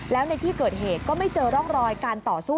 แล้วในที่เกิดเหตุก็ไม่เจอร่องรอยการต่อสู้